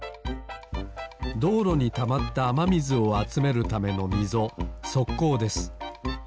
どうろにたまったあまみずをあつめるためのみぞそっこうです。